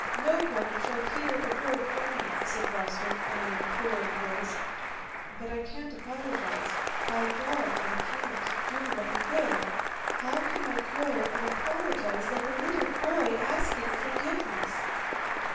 No one shall hear a word from me," said Rostóv in an imploring voice, "but I can't apologize, by God I can't, do what you will! How can I go and apologize like a little boy asking forgiveness?"